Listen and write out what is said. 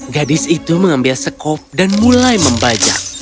gadis itu mengambil sekop dan mulai membajak